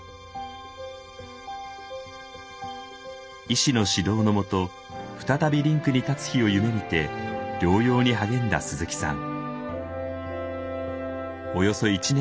医師の指導のもと再びリンクに立つ日を夢みて療養に励んだ鈴木さん。